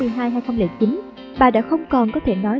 bà thatcher không có thể nói